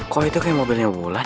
kau itu ke mobilnya bulan